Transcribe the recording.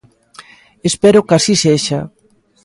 Espero que así sexa.